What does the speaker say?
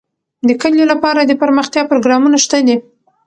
د کلیو لپاره دپرمختیا پروګرامونه شته دي.